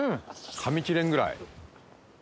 噛み切れんぐらい。